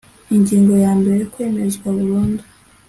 Ingingo ya mbere Kwemezwa burundu